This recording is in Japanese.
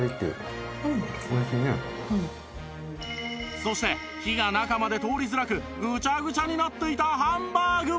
そして火が中まで通りづらくグチャグチャになっていたハンバーグも